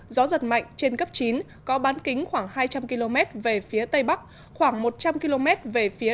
gió giật mạnh trên cấp chín có bán kính khoảng hai trăm linh km về phía tây bắc khoảng một trăm linh km về phía